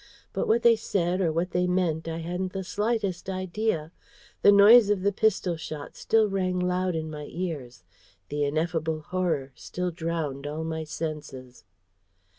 But what they said or what they meant I hadn't the slightest idea. The noise of the pistol shot still rang loud in my ears: the ineffable Horror still drowned all my senses.